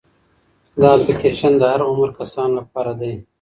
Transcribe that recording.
دا اپلیکیشن د هر عمر کسانو لپاره دی.